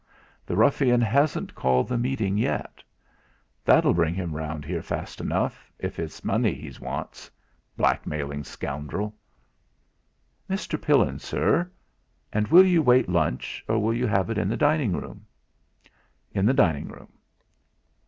The ruffian hasn't called the meeting yet. That'll bring him round here fast enough if it's his money he wants blackmailing scoundrel!' "Mr. Pillin, sir; and will you wait lunch, or will you have it in the dining room?" "In the dining room."